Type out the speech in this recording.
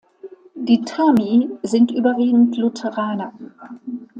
Die Tami sind überwiegend Lutheraner.